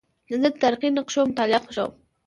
زه د تاریخي نقشو مطالعه خوښوم.